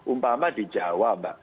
umpama di jawa mbak